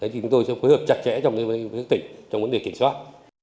thì chúng tôi sẽ phối hợp chặt chẽ với các tỉnh trong vấn đề kiểm soát